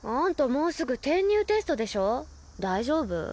もうすぐ転入テストでしょ大丈夫？